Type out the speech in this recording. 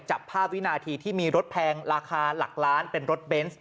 จับภาพวินาทีที่มีรถแพงราคาหลักล้านเป็นรถเบนส์